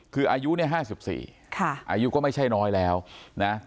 คืออายุเนี่ยห้าสิบสี่ค่ะอายุก็ไม่ใช่น้อยแล้วนะ